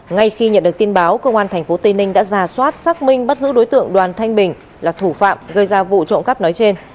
ngay khi nhận được tin báo công an tp tây ninh đã ra soát xác minh bắt giữ đối tượng đoàn thanh bình là thủ phạm gây ra vụ trộm cắp nói trên